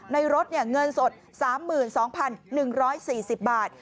ในรถเนี่ยเงินสด๓๒๑๔๐บาท